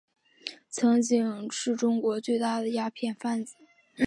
曾经是中国最大的鸦片贩子。